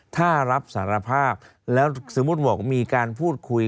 ถ้ารับสารภาพแล้วสมมุติบอกมีการพูดคุย